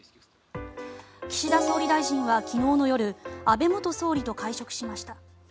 岸田総理大臣は昨日の夜安倍元総理と会食しました。